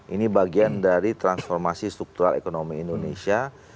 ini bagian dari transformasi struktural ekonomi indonesia